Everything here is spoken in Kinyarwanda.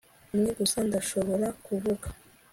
umwe gusa ndashobora kuvuga